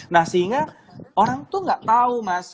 nah sehingga orang itu tidak tahu mas